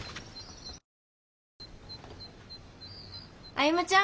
歩ちゃん。